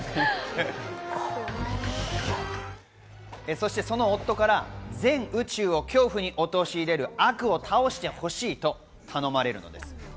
そして、その夫から全宇宙を恐怖に陥れる悪を倒してほしいと頼まれるのです。